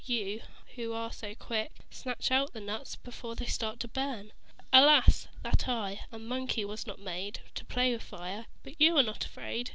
You, who are so quick, Snatch out the nuts before they start to burn. "Alas! That I, a Monkey, was not made To play with fire. But you are not afraid."